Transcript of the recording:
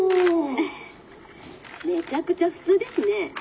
めちゃくちゃ普通ですね」。